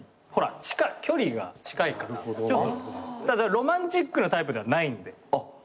ロマンチックなタイプではないんであたしは。